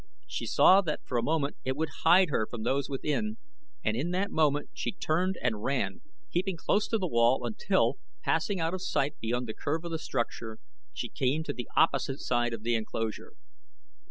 She saw that for a moment it would hide her from those within and in that moment she turned and ran, keeping close to the wall, until, passing out of sight beyond the curve of the structure, she came to the opposite side of the enclosure.